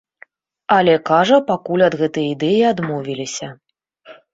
Але, кажа, пакуль ад гэтай ідэі адмовіліся.